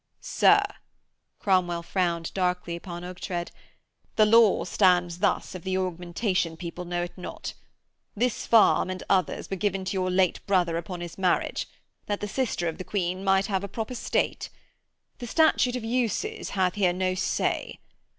'Sir,' Cromwell frowned darkly upon Ughtred, 'the law stands thus if the Augmentation people know it not. This farm and others were given to your late brother upon his marriage, that the sister of the Queen might have a proper state. The Statute of Uses hath here no say.